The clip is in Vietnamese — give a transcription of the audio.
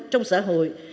trong xã hội